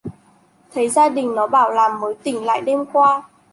thấy gia đình nó bảo là mới tỉnh lại đêm qua